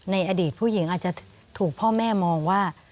ในอดีตผู้หญิงอาจจะถูกพ่อแม่มองว่า